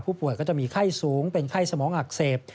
ก็จะมีไข้สูงเป็นไข้สมองอักเสบ